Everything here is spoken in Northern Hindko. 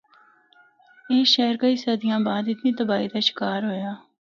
اے شہر کئی صدیاں بعد اتنی تباہی دا شکار ہویا۔